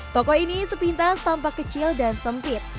toko ini sepintas tampak kecil dan sempit